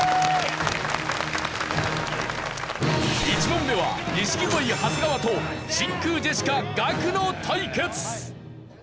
１問目は錦鯉長谷川と真空ジェシカガクの対決。